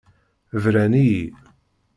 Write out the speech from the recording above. Bran-iyi.